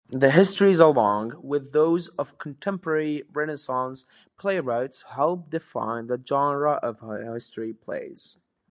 The histories-along with those of contemporary Renaissance playwrights-help define the genre of history plays.